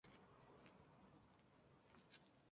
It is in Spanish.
En el siglo V tuvo una sede episcopal.